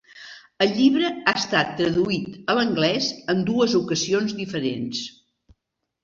El llibre ha estat traduït a l'anglès en dues ocasions diferents.